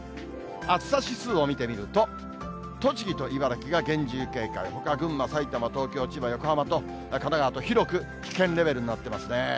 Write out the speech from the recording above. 暑さ指数を見てみると、栃木と茨城が厳重警戒、ほか、群馬、埼玉、東京、千葉、横浜と、神奈川と広く危険レベルになってますね。